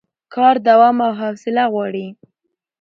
کار دوام او حوصله غواړي